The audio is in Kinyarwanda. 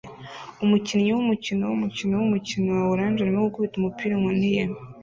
Umukinnyi wumukino wumukino wumukino wa orange arimo gukubita umupira inkoni ye